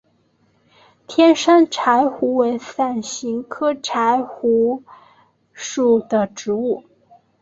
天山柴胡为伞形科柴胡属的植物。